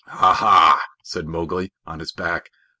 "Ha! Ha!" said Mowgli, on his back.